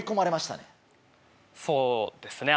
そうですね